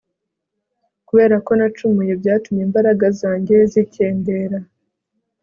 kubera ko nacumuye byatumye imbaraga zanjye zikendera